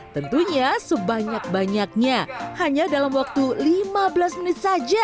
tentunya sebanyak banyaknya hanya dalam waktu lima belas menit saja